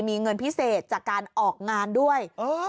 มีเงินพิเศษจากการออกงานด้วย